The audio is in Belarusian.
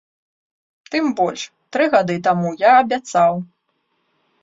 Тым больш, тры гады таму я абяцаў.